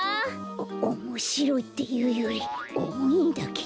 おおもしろいっていうよりおもいんだけど。